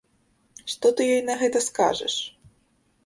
Што ты ёй на гэта скажаш?!